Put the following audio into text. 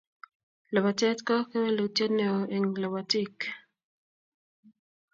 lapatet ko kewelutyet neo eng lapatik